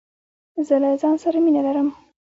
زه له ځانه سره مینه لرم.